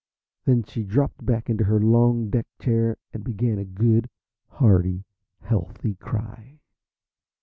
Then she dropped back into her long deck chair and began a good, hearty, healthy cry.